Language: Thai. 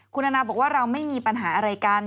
คุณนานะพูดว่าเราไม่มีปัญหาอะไรกัน